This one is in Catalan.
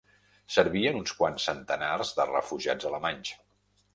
Servien uns quants centenars de refugiats alemanys